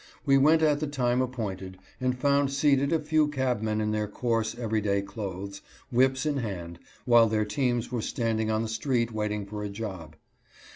We went at the time appointed, and found seated a few cabmen in their coarse, every day clothes, whips in hand, while their teams were standing on the street waiting for a job.